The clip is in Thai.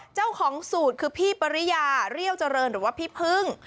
เจ้าของสูตรคือพี่ปริยาเรี่ยวเจริญหรือว่าพี่พึ่ง